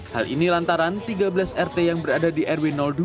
hal ini lantaran tiga belas rt yang berada di rw dua